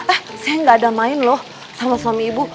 eh saya gak ada main loh sama suami ibu